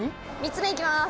３つ目いきます。